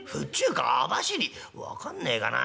「分かんねえかな。